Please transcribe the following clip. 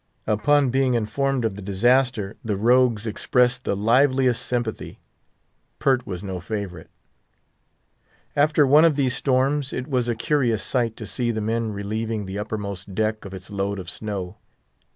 Upon being informed of the disaster, the rogues expressed the liveliest sympathy. Pert was no favourite. After one of these storms, it was a curious sight to see the men relieving the uppermost deck of its load of snow.